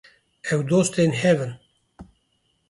Ew dostên hev in